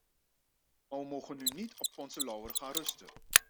Maar we mogen nu niet op onze lauweren gaan rusten.